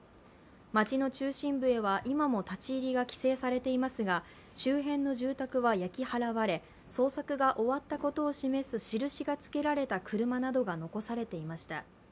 街の中心部へは、今も立ち入りが規制されていますが周辺の住宅は焼き払われ捜索が終わったことを示す印がつけられた車などが残されていました。